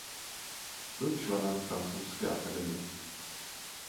Byl členem Francouzské akademie.